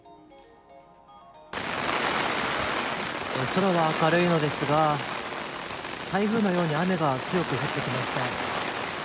空は明るいのですが、台風のように雨が強く降ってきました。